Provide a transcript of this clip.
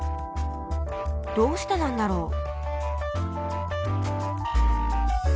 どうしてなんだろう？